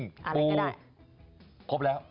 ปูครบแล้วยังไงกัน